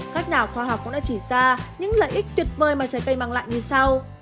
các nhà khoa học cũng đã chỉ ra những lợi ích tuyệt vời mà trái cây mang lại như sau